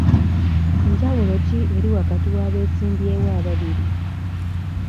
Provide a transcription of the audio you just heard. Njawulo ki eriwo wakati w'abeesimbyewo ababiri?